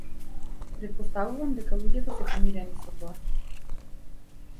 Претпоставувам дека луѓето се помирени со тоа.